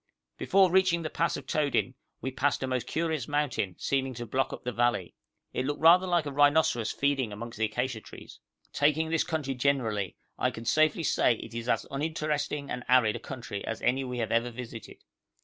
Before reaching the pass of Todin we passed a most curious mountain, seeming to block up the valley. It looked rather like a rhinoceros feeding among the acacia trees. Taking this country generally, I can safely say it is as uninteresting and arid a country as any we have ever visited.